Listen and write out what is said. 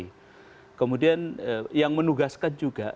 nah kemudian yang menugaskan juga